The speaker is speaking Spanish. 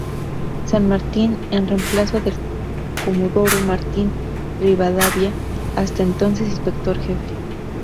San Martín"" en reemplazo del comodoro Martín Rivadavia, hasta entonces inspector jefe.